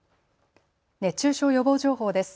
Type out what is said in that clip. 熱中症予防情報です。